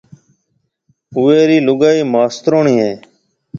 اوئيَ رِي لوگائي ماستروڻِي ھيََََ